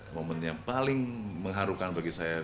momen yang paling mengharukan bagi saya